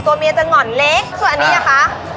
ตัวเมียจะหง่อนเล็กส่วนอันนี้นะคะ